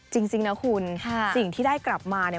จริงนะคุณสิ่งที่ได้กลับมาเนี่ย